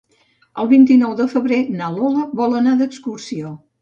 El vint-i-nou de febrer na Lola vol anar d'excursió.